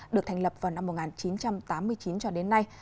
được thành lập vào năm một nghìn chín trăm tám mươi chín cho đến nay